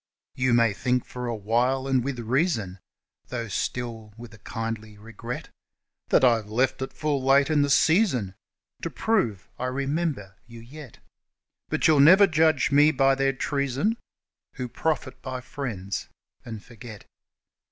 You may think for awhile, and with reason, Though still with a kindly regret, That I've left it full late in the season To prove I remember you yet; But you'll never judge me by their treason Who profit by friends and forget.